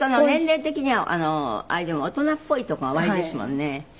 年齢的にはあれでも大人っぽいとこがおありですもんね。